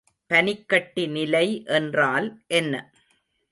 பனிக்கட்டிநிலை என்றால் என்ன?